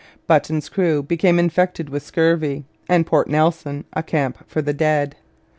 Button's crew became infected with scurvy, and Port Nelson a camp for the dead.